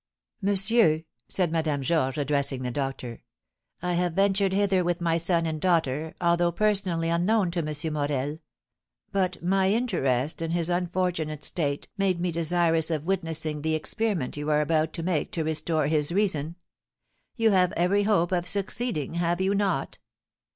"Monsieur," said Madame Georges, addressing the doctor, "I have ventured hither with my son and daughter, although personally unknown to M. Morel; but my interest in his unfortunate state made me desirous of witnessing the experiment you are about to make to restore his reason. You have every hope of succeeding, have you not?"